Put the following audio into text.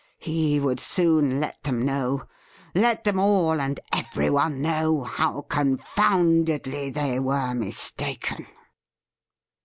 ''' He would soon let them know — let them all and every one know — how confoundedly they were mistaken.